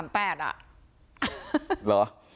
เหรอ